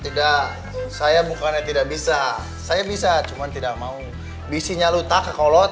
tidak saya bukannya tidak bisa saya bisa cuman tidak mau bisinya luta kekolot